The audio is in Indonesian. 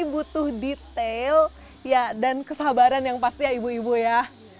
butuh detail dan kesabaran yang pasti ya ibu ibu ya